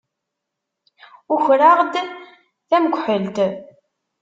Ukreɣ-d tamekḥelt.